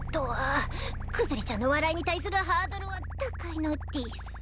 クズリちゃんの笑いに対するハードルは高いのでぃす。